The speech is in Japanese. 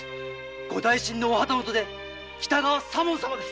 ご大身のお旗本で喜多川左門様です。